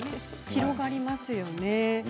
広がりますよね。